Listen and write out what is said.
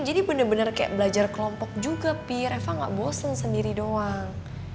jadi bener bener kayak belajar kelompok juga pi reva gak bosen sendiri doang